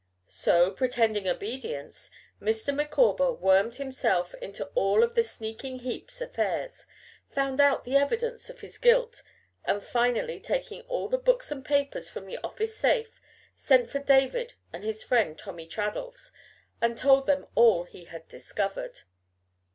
So, pretending obedience, Mr. Micawber wormed himself into all of the sneaking Heep's affairs, found out the evidence of his guilt, and finally taking all the books and papers from the office safe, sent for David and his friend Tommy Traddles and told them all he had discovered.